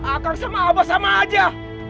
akang sama abah sama aja